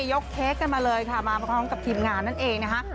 เค้กกันมาเลยค่ะมาพร้อมกับทีมงานนั่นเองนะคะ